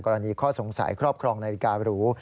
กรณีข้อสงสัยครอบครองในการรู้